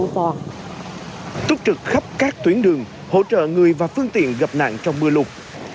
túc trực khắp các tuyến đường hỗ trợ người và phương tiện gặp nạn trong mưa lụt